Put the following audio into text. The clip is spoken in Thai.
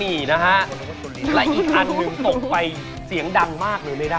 อีกอันนึงตกไปเสียงดังมากเลยได้